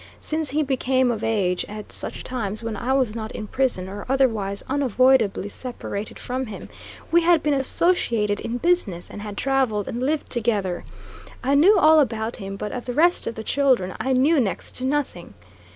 Since he became of age, at such times when I was not in prison, or otherwise unavoidably separated from him, we had been associated in business, and had traveled and lived together. I knew all about him; but of the rest of the children I knew next to nothing.